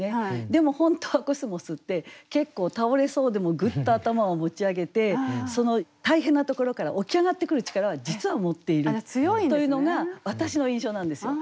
でも本当はコスモスって結構倒れそうでもぐっと頭を持ち上げて大変なところから起き上がってくる力は実は持っているというのが私の印象なんですよ。